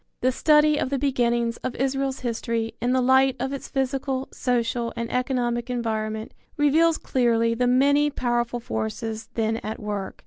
The study of the beginnings of Israel's history in the light of its physical, social and economic environment reveals clearly the many powerful forces then at work.